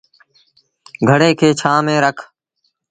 گھڙي کي ڇآنه ميݩ رک۔